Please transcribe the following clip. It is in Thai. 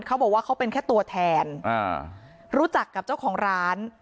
เขาบอกว่าเขาเป็นแค่ตัวแทนรู้จักกับเจ้าของร้าน